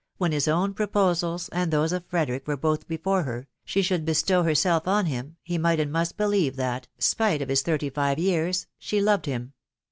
when his own proposals and those of Frederick were heth befnot her, she should bestow herself on him,, he might and must believe that, spite of his thirty five yearn* she loved, him ;►.